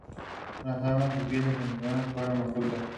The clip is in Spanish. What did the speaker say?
Blind Melon pasó los dos años siguientes de gira por todo el mundo.